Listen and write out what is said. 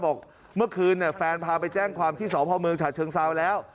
บอกเมื่อคืนแฟนพาไปแจ้งความที่สพเมืองฉะเชิงเซาแล้ว